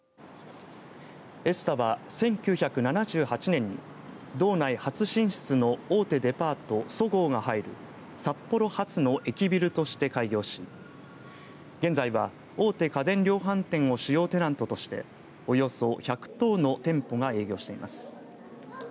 エスタは１９７８年に道内初進出の大手デパートそごうが入る札幌初の駅ビルとして開業し現在は大手家電量販店を主要テナントとしておよそ１１０の店舗が営業しています。